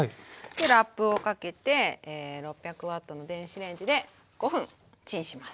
ラップをかけて６００Ｗの電子レンジで５分チンします。